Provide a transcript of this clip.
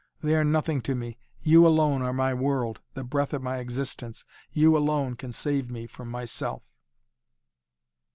They are nothing to me you alone are my world, the breath of my existence. You, alone, can save me from myself!"